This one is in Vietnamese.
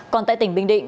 còn tại tỉnh bình định